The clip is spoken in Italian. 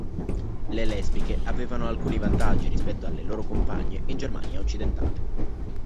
Le lesbiche avevano alcuni vantaggi rispetto alle loro compagne in Germania occidentale.